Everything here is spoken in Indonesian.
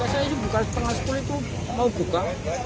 saya buka tengah sekolah itu mau buka